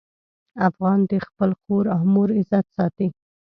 افغان د خپل خور او مور عزت ساتي.